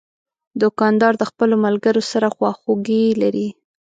دوکاندار د خپلو ملګرو سره خواخوږي لري.